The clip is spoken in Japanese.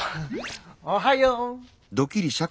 おはよう。